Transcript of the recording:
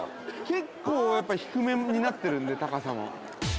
◆結構低めになってるんで、高さも。